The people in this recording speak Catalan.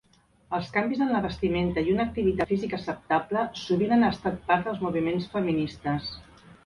Els canvis en la vestimenta i una activitat física acceptable sovint han estat part dels moviments feministes.